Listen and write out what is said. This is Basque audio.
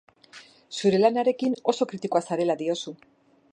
Zure lanarekin oso kritikoa zarela diozu.